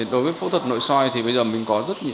đối với phẫu thuật nội soi thì bây giờ mình có rất nhiều